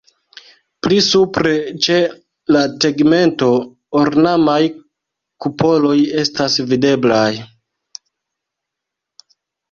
Pli supre ĉe la tegmento ornamaj kupoloj estas videblaj.